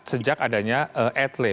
sejak adanya ethele